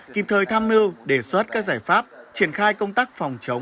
kịp thời tham mưu đề xuất các giải pháp triển khai công tác phòng chống